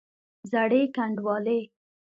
زړې ګنډوالې!